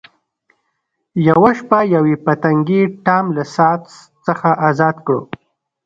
یوه شپه یوې پتنګې ټام له ساعت څخه ازاد کړ.